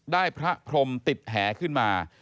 พระพรมติดแหขึ้นมา